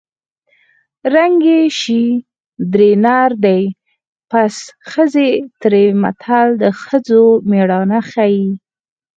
ړنګې شې درې نر دې پڅ ښځې تېرې متل د ښځو مېړانه ښيي